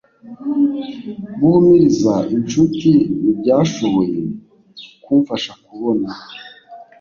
guhumuriza inshuti ntibyashoboye kumfasha kubona.